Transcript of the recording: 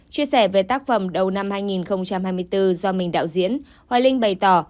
chia sẻ về tác phẩm đầu năm hai nghìn hai mươi bốn do mình đạo diễn hoài linh bày tỏ